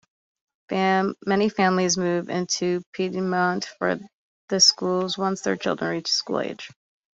Many families move into Piedmont for the schools once their children reach school-age.